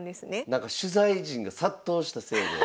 なんか取材陣が殺到したせいで。